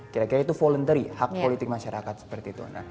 kira kira itu voluntary hak politik masyarakat seperti itu